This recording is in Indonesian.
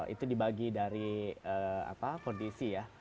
itu dibagi dari kondisi ya